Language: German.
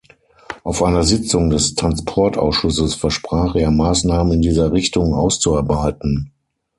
Auf einer Sitzung des Transportausschusses versprach er, Maßnahmen in dieser Richtung auszuarbeiten.